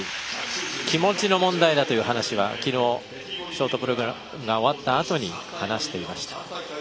気持ちの問題だという話は昨日、ショートプログラムが終わったあとに話していました。